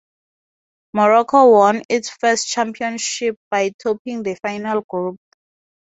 Morocco won its first championship, by topping the final group.